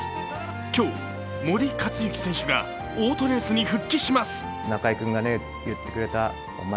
今日、森且行選手がオートレースに復帰します。